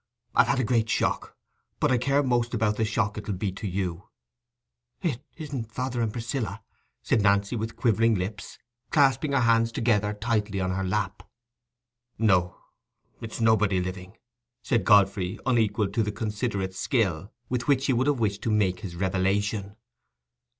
I've had a great shock—but I care most about the shock it'll be to you." "It isn't father and Priscilla?" said Nancy, with quivering lips, clasping her hands together tightly on her lap. "No, it's nobody living," said Godfrey, unequal to the considerate skill with which he would have wished to make his revelation.